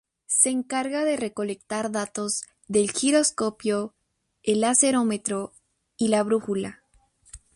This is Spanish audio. Se encarga de recolectar datos del giroscopio, el acelerómetro y la brújula.